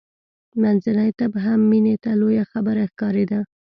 منځنی طب هم مینې ته لویه خبره ښکارېده